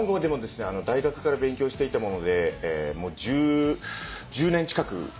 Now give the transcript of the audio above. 大学から勉強していたもので１０１０年近くに。